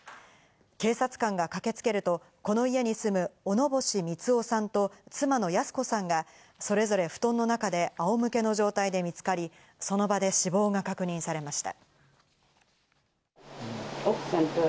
警察官が駆けつけると、この家に住む小野星三男さんと妻の泰子さんが、それぞれ布団の中であおむけの状態で見つかり、その場で死亡が確認されました。